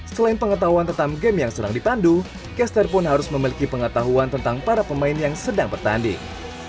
selain pengetahuan tentang game yang sedang dipandu caster pun harus memiliki pengetahuan tentang para pemain yang sedang bertanding